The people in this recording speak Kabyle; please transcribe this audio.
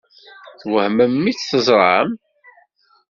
Twehmem mi tt-teẓṛam?